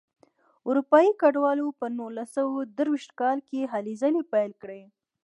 اروپایي کډوالو په نولس سوه درویشت کال کې هلې ځلې پیل کړې.